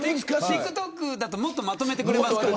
ＴｉｋＴｏｋだともっと、まとめてくれます。